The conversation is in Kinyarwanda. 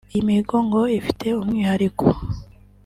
Iyi mihigo ngo ifite umwihariko